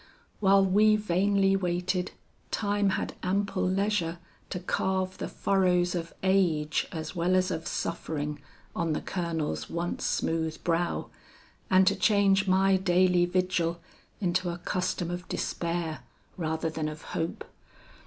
While we vainly waited, time had ample leisure to carve the furrows of age as well as of suffering on the Colonel's once smooth brow, and to change my daily vigil into a custom of despair, rather than of hope.